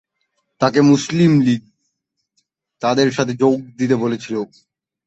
তাকে মুসলিম লীগ তাদের সাথে যোগ দিতে বলেছিল।